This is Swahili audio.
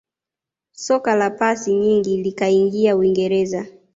soka la pasi nyingi likaingia uingereza